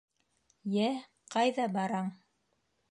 Йә, ҡайҙа бараң?!